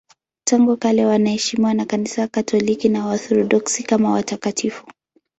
Tangu kale wanaheshimiwa na Kanisa Katoliki na Waorthodoksi kama watakatifu.